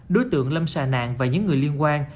đối tượng lâm xà nạn và những người liên quan